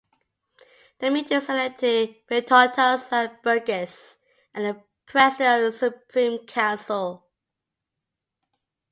The meetings elected Vytautas Landsbergis as the President of the Supreme Council.